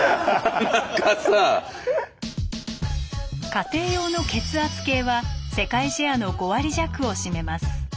家庭用の血圧計は世界シェアの５割弱を占めます。